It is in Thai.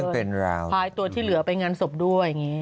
ภายตัวที่เหลือเป็นงานศพด้วย